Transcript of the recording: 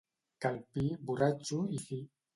Calpí, borratxo i fi.